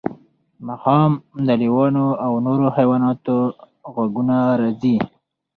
ماښام د لیوانو او نورو حیواناتو غږونه راځي